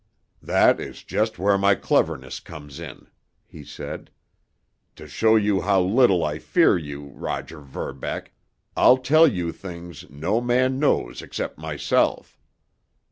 "That is just where my cleverness comes in," he said. "To show you how little I fear you, Roger Verbeck, I'll tell you things no man knows except myself.